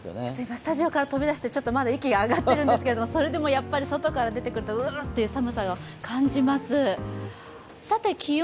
スタジオから飛び出してまだ息が上がっているんですけれども、それでもやっぱり外から出てくると寒さを感じます。